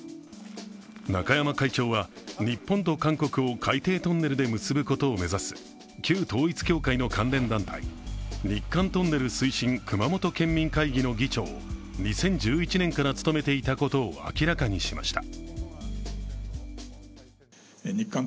中山会長は、日本と韓国を海底トンネルで結ぶことを目指す旧統一教会の関連団体日韓トンネル推進熊本県民会議の議長を２０１１年から務めていたことを明らかにしました。